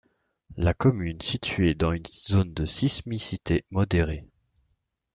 La commune située dans une zone de sismicité modérée.